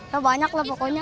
ya banyak lah pokoknya